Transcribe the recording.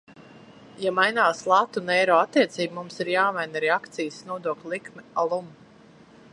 Ja mainās lata un eiro attiecība, mums ir jāmaina arī akcīzes nodokļa likme alum.